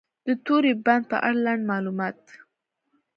د توری بند په اړه لنډ معلومات: